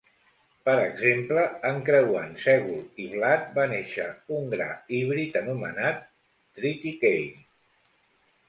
Per exemple, encreuant sègol i blat va néixer un gra híbrid anomenat 'triticale'.